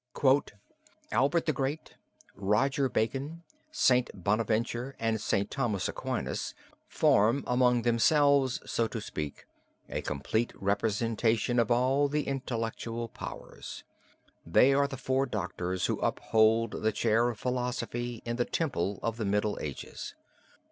"Albert the Great, Roger Bacon, St. Bonaventure, and St. Thomas Aquinas, form among themselves, so to speak, a complete representation of all the intellectual powers: they are the four doctors who uphold the chair of philosophy in the temple of the Middle Ages.